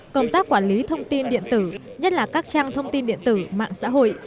công tác quản lý thông tin điện tử nhất là các trang thông tin điện tử mạng xã hội